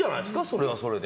それはそれで。